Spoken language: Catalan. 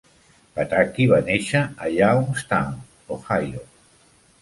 Pataki va néixer a Youngstown, Ohio.